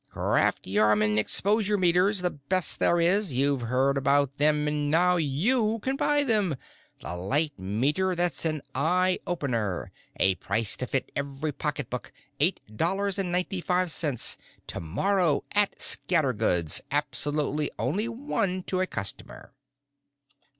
"Krafft Yahrmann Exposure Meters, the best there is, you've heard about them and now you can buy them, the light meter that's an eye opener, a price to fit every pocketbook, eight dollars and ninety five cents, tomorrow at Scattergood's, absolutely only one to a customer.